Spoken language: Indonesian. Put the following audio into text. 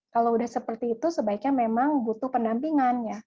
kalau udah seperti itu sebaiknya memang butuh pendampingannya